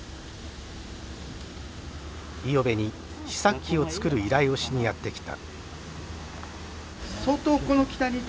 五百部に試作機を作る依頼をしにやって来た。